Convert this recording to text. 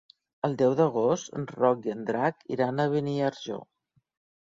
El deu d'agost en Roc i en Drac iran a Beniarjó.